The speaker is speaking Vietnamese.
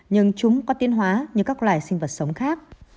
nhưng chúng có tiên hóa như các loài sinh vật sống khác